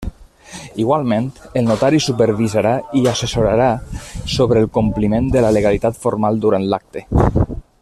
Igualment, el notari supervisarà i assessorarà sobre el compliment de la legalitat formal durant l'acte.